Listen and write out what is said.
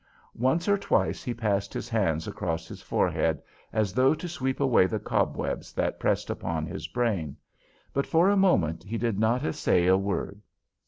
Once or twice he passed his hands across his forehead, as though to sweep away the cobwebs that pressed upon his brain, but for a moment he did not essay a word.